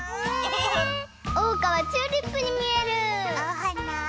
おうかはチューリップにみえる！おはな？